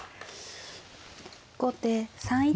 後手３一玉。